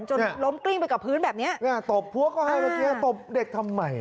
จนล้มกลิ้งไปกับพื้นแบบนี้ตบพวกเขาให้ตบเด็กทำใหม่